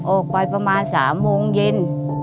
ออกไปประมาณ๓โมงเย็น